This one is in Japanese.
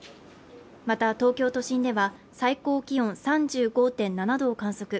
また、東京都心では最高気温３５．７度を観測。